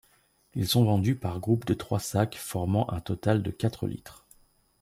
Ils sont vendus par groupe de trois sacs formant un total de quatre litres.